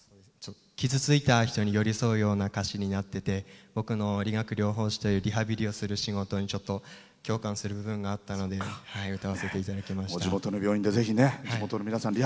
傷ついた人に寄り添うような歌詞になってて僕の理学療法士というリハビリをする仕事に共感する部分があったので歌わせていただきました。